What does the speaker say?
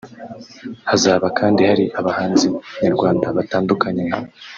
Hazaba kandi hari abahanzi nyarwanda batandukanye nka